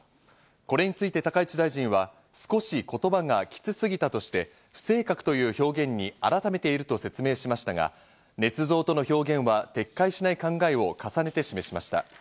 これについて高市大臣は少し言葉がきつすぎたとして、「不正確」という表現に改めていると説明しましたが、「ねつ造」との表現は撤回しない考えを重ねて示しました。